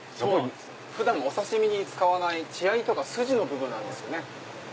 普段お刺し身に使わない血合いとか筋の部分なんですよね。